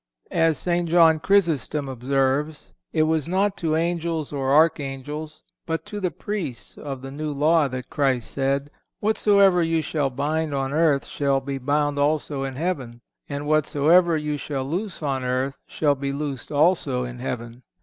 As St. John Chrysostom observes, it was not to angels or archangels, but to the Priests of the New Law that Christ said: "Whatsoever you shall bind on earth shall be bound also in heaven; and whatsoever you shall loose on earth shall be loosed also in heaven."